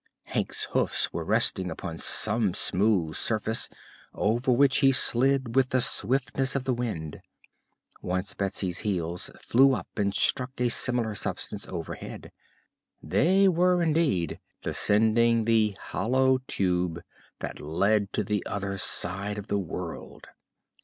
Hank's hoofs were resting upon some smooth substance over which he slid with the swiftness of the wind. Once Betsy's heels flew up and struck a similar substance overhead. They were, indeed, descending the "Hollow Tube" that led to the other side of the world.